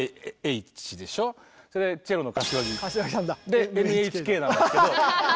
でＮＨＫなんですけど。